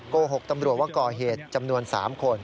โกหกตำรวจว่าก่อเหตุจำนวน๓คน